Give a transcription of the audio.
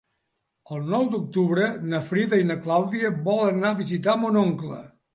El nou d'octubre na Frida i na Clàudia volen anar a visitar mon oncle.